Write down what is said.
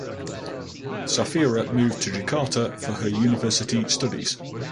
Safira moved to Jakarta for her University studies.